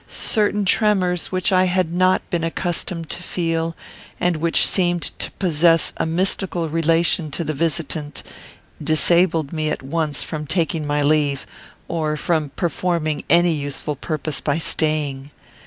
Certain tremors which I had not been accustomed to feel, and which seemed to possess a mystical relation to the visitant, disabled me at once from taking my leave, or from performing any useful purpose by staying.